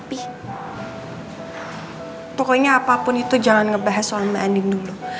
pokoknya apapun itu jangan ngebahas soal mbak andi dulu